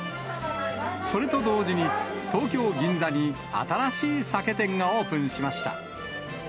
それと同時に東京・銀座に新しい酒店がオープンしました。